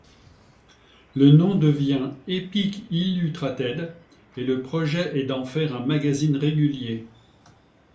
Le nom devient Epic Illutrated et le projet est d'en faire un magazine régulier.